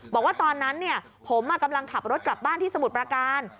บอกว่าตอนนั้นผมกำลังขับรถกลับบ้านที่สมุทรประการ